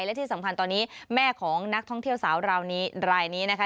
และที่สำคัญตอนนี้แม่ของนักท่องเที่ยวสาวราวนี้รายนี้นะคะ